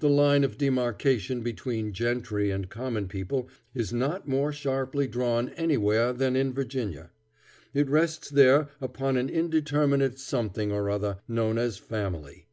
The line of demarkation between gentry and common people is not more sharply drawn anywhere than in Virginia. It rests there upon an indeterminate something or other, known as family.